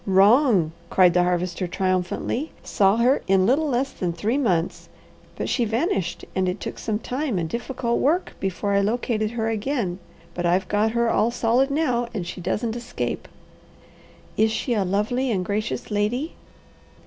"Wrong!" cried the Harvester triumphantly. "Saw her in little less than three months, but she vanished and it took some time and difficult work before I located her again; but I've got her all solid now, and she doesn't escape." "Is she a 'lovely and gracious lady'?"